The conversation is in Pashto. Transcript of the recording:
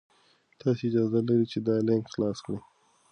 تاسي اجازه لرئ چې دا لینک خلاص کړئ.